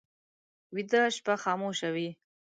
ویده شپه خاموشه وي